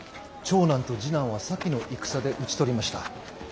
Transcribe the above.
長男と次男は先の戦で討ち取りました。